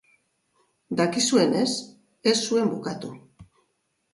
Dakizuenez, ez zuen bukatu.